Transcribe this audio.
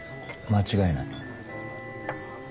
間違いない。